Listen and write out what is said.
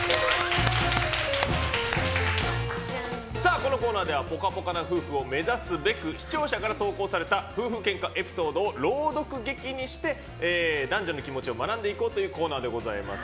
このコーナーではぽかぽかな夫婦を目指すべく視聴者から投稿された夫婦げんかエピソードを朗読劇にして男女の気持ちを学んでいこうというコーナーでございます。